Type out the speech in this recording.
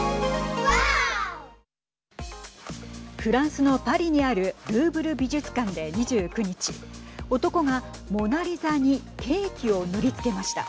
フランスのパリにあるルーブル美術館で、２９日男が、モナリザにケーキを塗りつけました。